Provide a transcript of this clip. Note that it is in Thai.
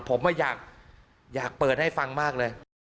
ผมว่าอยากอยากเปิดให้ฟังมากเลย